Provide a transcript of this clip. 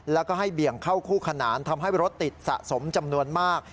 แล้วก็ให้เบี่ยงเข้าคู่ขนานทำให้รถติดสะสมจำนวนมาก